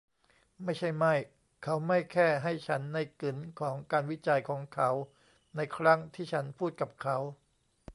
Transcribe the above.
ไม่ใช่ไม่ เขาไม่แค่ให้ฉันในกึ๋นของการวิจัยของเขาในครั้งที่ฉันพูดกับเขา